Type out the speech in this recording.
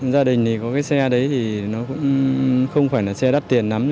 gia đình thì có cái xe đấy thì nó cũng không phải là xe đắt tiền lắm